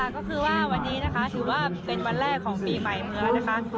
ก็คือว่าวันนี้นะคะถือว่าเป็นวันแรกของปีใหม่เมืองนะคะ